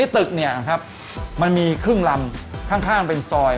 ตึกมันมีครึ่งลำข้างเป็นซอย